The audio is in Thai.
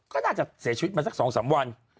ก็น่าจะเสียชีวิตมาสัก๒๓วัน